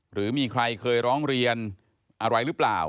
หรือมีใครเคยร้องเรียนอะไรหรือเปล่า